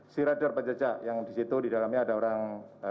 searider penjejak yang di situ di dalamnya ada orang